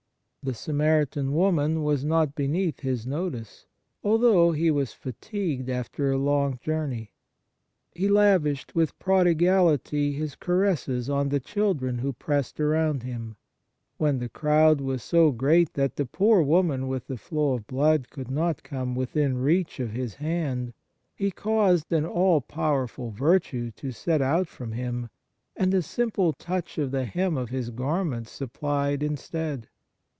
The Samaritan woman was not beneath His notice, although He was fatigued after a long journey. He lavished with prodigality His caresses on the children who pressed around Him. When the crowd was so great that the poor woman with the flow of blood could not come within reach of His hand, He caused an all powerful virtue to set out from Him, and a simple touch of the hem of His garment supplied instead.